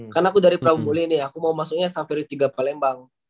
kan aku dari prabu muli nih aku mau masuknya saferis tiga palembang